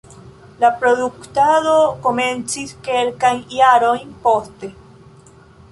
Produktado komencis kelkajn jarojn poste.